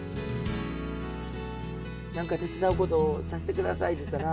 何か手伝うことをさせてくださいと言うたら。